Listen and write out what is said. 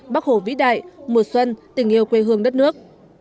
bác hồ vĩ đại mùa xuân tình yêu quê hương đất nước